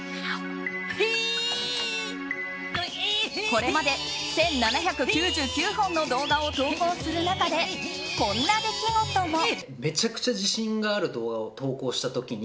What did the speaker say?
これまで１７０９本の動画を投稿する中でこんな出来事も。